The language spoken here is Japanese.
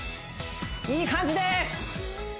いい感じです